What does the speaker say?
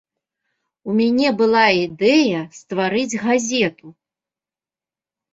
У мяне была ідэя стварыць газету.